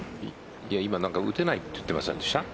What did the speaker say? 今、打てないと言っていませんでした？